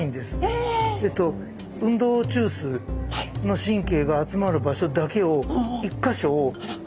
運動中枢の神経が集まる場所だけを一か所を一回刺す。